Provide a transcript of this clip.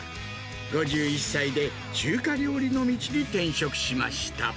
５１歳で中華料理の道に転職しました。